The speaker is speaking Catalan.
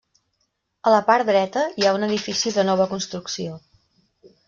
A la part dreta hi ha un edifici de nova construcció.